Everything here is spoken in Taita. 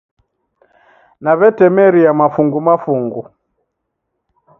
Naw'etemeria mafungu mafungu